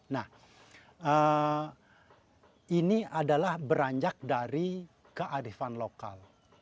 nah ini adalah beranjak dari kearifan lokal